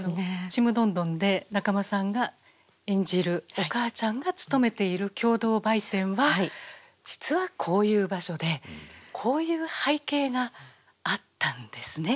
「ちむどんどん」で仲間さんが演じるお母ちゃんが勤めている共同売店は実はこういう場所でこういう背景があったんですね。